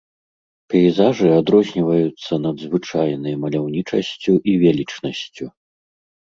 Пейзажы адрозніваюцца надзвычайнай маляўнічасцю і велічнасцю.